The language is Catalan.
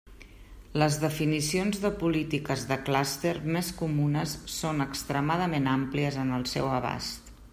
Les definicions de polítiques de clúster més comunes són extremadament àmplies en el seu abast.